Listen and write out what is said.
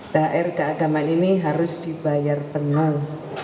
thr keagamaan ini harus dibayar penuh